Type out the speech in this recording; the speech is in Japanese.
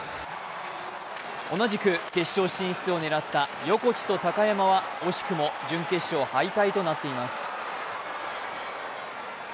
同じく決勝進出を狙った横地と高山は惜しくも準決勝敗退となっています。